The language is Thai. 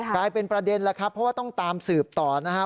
กลายเป็นประเด็นแล้วครับเพราะว่าต้องตามสืบต่อนะครับ